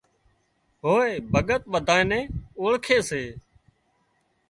هوَي ڀڳت ٻڌانئي نين اوۯکي سي